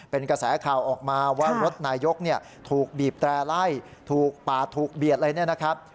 เป็นกระแสข่าวออกมาว่ารถนายกถูกบีบแตร่ไล่ถูกปาดถูกเบียดอะไรเนี่ยนะครับ